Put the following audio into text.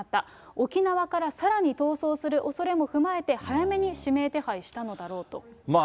沖縄からさらに逃走するおそれも踏まえて、早めに指名手配したのだろうと。